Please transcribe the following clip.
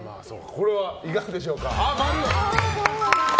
これはいかがでしょう？